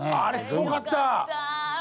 あれすごかった！